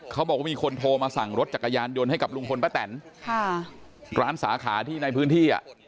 เขาบอกว่ามีคนโทรมาสั่งรถจักรยานยนต์ให้กับลุงพลป้าแตนค่ะร้านสาขาที่ในพื้นที่อ่ะ